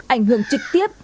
ảnh hưởng trực tiếp